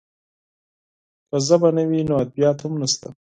که ژبه نه وي، نو ادبیات هم نشته.